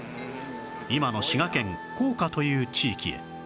今の滋賀県甲賀という地域へ